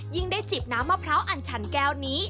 ยิ่งได้จิบน้ำมะพร้าวอันฉันแก้วนี้